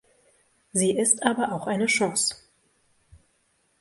Sie ist aber auch eine Chance.